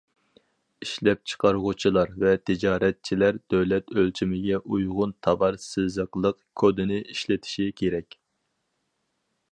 ئىشلەپچىقارغۇچىلار ۋە تىجارەتچىلەر دۆلەت ئۆلچىمىگە ئۇيغۇن تاۋار سىزىقلىق كودىنى ئىشلىتىشى كېرەك.